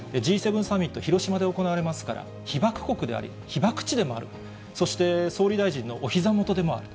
Ｇ７サミット、広島で行われますから、被爆国であり、被爆地でもある、そして総理大臣のおひざ元でもある。